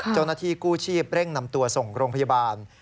เจ้าหน้าที่กู้ชีพเร่งนำตัวส่งโรงพยาบาล